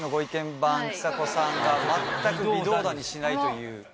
番ちさ子さんが全く微動だにしないという。